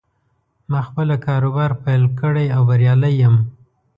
ما خپله کاروبار پیل کړې او بریالی یم